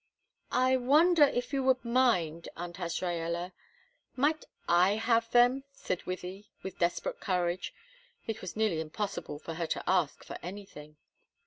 "I wonder if you would mind Aunt Azraella, might I have them?" said Wythie, with desperate courage it was nearly impossible for her to ask for anything.